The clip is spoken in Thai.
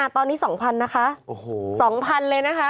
ตอนนี้๒๐๐๐นะคะ๒๐๐เลยนะคะ